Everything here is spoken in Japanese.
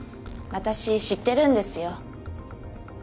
私知ってるんですよ。